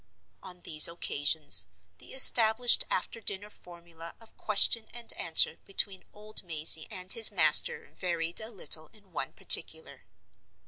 On these occasions the established after dinner formula of question and answer between old Mazey and his master varied a little in one particular.